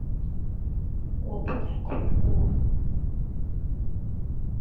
我不敢跨过